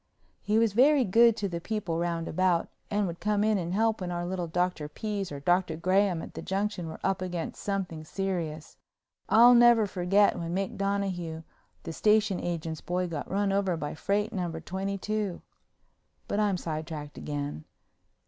He was very good to the people round about, and would come in and help when our little Dr. Pease, or Dr. Graham, at the Junction, were up against something serious. I'll never forget when Mick Donahue, the station agent's boy, got run over by Freight No. 22. But I'm sidetracked again.